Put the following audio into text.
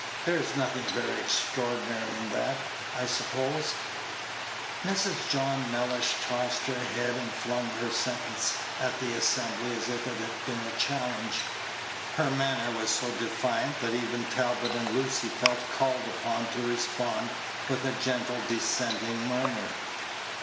There is nothing very extraordinary in that, I suppose?" Mrs. John Mellish tossed her head, and flung this sentence at the assembly as if it had been a challenge. Her manner was so defiant that even Talbot and Lucy felt called upon to respond with a gentle dissenting murmur.